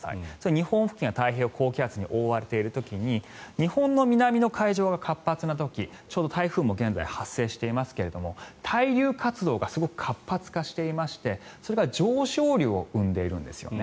日本付近が太平洋高気圧に覆われている時に日本の南の海上が活発な時ちょうど台風も現在発生していますが対流活動がすごく活発化していましてそれが上昇流を生んでいるんですよね。